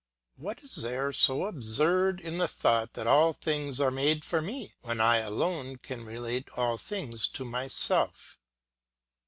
What is there so absurd in the thought that all things are made for me, when I alone can relate all things to myself?